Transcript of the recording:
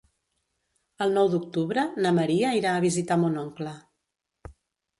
El nou d'octubre na Maria irà a visitar mon oncle.